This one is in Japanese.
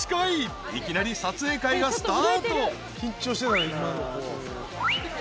［いきなり撮影会がスタート］